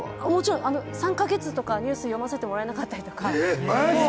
３か月とかニュースを読ませてもらえなかったりとか。